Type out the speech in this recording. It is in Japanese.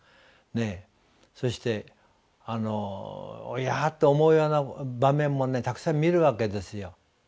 そしておや？と思うような場面もたくさん見るわけですよ。